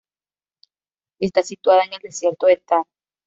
Está situada en el desierto de Thar.